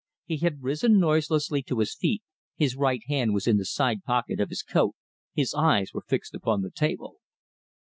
He had risen noiselessly to his feet, his right hand was in the sidepocket of his coat, his eyes were fixed upon the table.